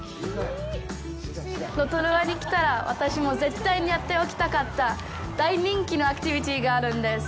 ロトルアに来たら私も絶対にやっておきたかった大人気のアクティビティがあるんです。